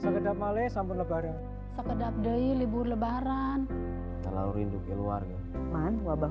segedap malai sambil lebaran segedap dayi libur lebaran terlalu rindu keluarga man wabah